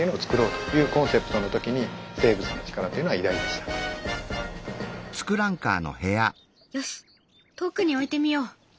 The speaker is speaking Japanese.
すごい！よし遠くに置いてみよう。